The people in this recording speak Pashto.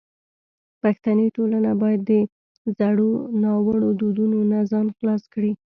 پښتني ټولنه باید د زړو ناوړو دودونو نه ځان خلاص کړي.